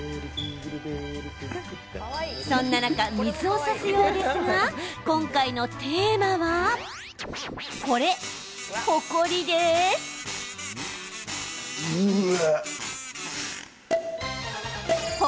そんな中、水をさすようですが今回のテーマはこれ、ほこりです。